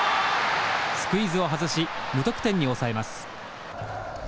スクイズを外し無得点に抑えます。